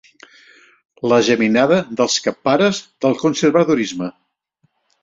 La geminada dels cappares del conservadorisme.